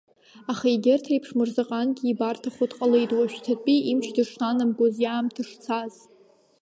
Аха егьырҭ реиԥш Мырзаҟангьы ибарҭахо дҟалеит уажәшьҭатәи имч дышнанамгоз, иаамҭа шцаз.